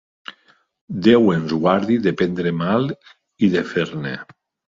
Déu ens guardi de prendre mal i de fer-ne.